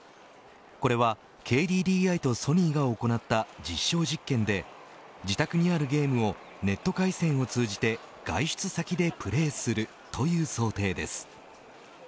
これはＫＤＤＩとソニーが行った実証実験で自宅にあるゲームをネット回線を通じて外出先でプレーするという想定です。